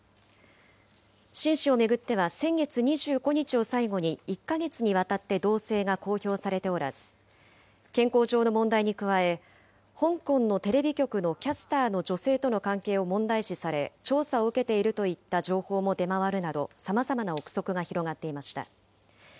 秦氏を巡っては、先月２５日を最後に１か月にわたって動静が公表されておらず、健康上の問題に加え、香港のテレビ局のキャスターの女性との関係を問題視され、調査を受けているといった情報も出回るなど、さまざまな臆測が広がっていました。